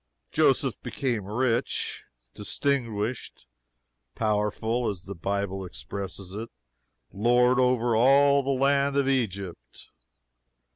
Joseph became rich, distinguished, powerful as the Bible expresses it, "lord over all the land of Egypt."